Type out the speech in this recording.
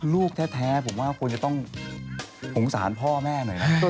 ลูกแท้ผมว่าควรจะต้องสงสารพ่อแม่หน่อยนะ